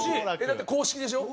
だって公式でしょ？